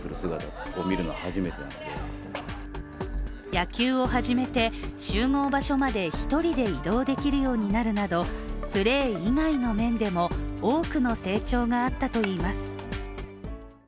野球を始めて、集合場所まで１人で移動できるようになるなどプレー以外の面でも多くの成長があったといいます。